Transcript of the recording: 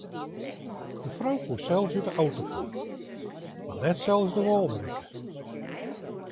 De frou koe sels út de auto komme mar net sels de wâl berikke.